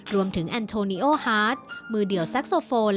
รวมถึงแอนโทนีโอฮาร์ทมือเดี่ยวแซ็กโซโฟน